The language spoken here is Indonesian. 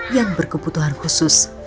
yang berkebutuhan khusus